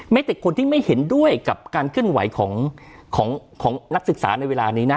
ไม่แต่คนที่ไม่เห็นด้วยกับการขึ้นไหวของของของนักศึกษาในเวลานี้นะ